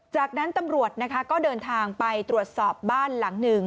จากนั้นตำรวจนะคะก็เดินทางไปตรวจสอบบ้านหลังหนึ่ง